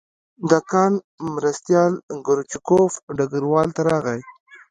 د کان مرستیال کروچکوف ډګروال ته راغی